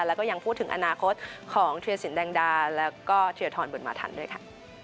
แล้วก็ยังพูดถึงอนาคตของเทียสินแดงดาแล้วก็เทียทรบุญมาทันด้วยค่ะ